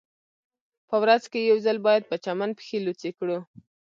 په ورځ کې یو ځل باید په چمن پښې لوڅې کړو